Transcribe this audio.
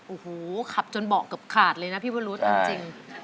โอ้โหขับจนเบาะเกือบขาดเลยนะพี่วรุษจริง